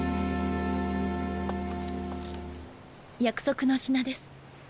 約束の品です